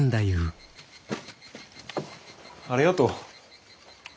ありがとう。